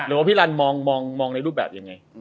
ว่าพี่รันมองในรูปแบบยังไง